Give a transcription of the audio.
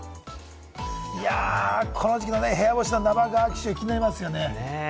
この時期の部屋干しの生乾き臭、気になりますよね。